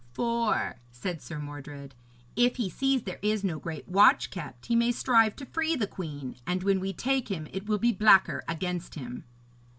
'For,' said Sir Mordred, 'if he sees there is no great watch kept, he may strive to free the queen, and when we take him it will be blacker against him.'